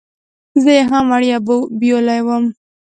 زه یې هم وړیا بیولې وم.